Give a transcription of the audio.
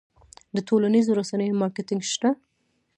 د ټولنیزو رسنیو مارکیټینګ شته؟